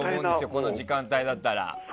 この時間帯だったら。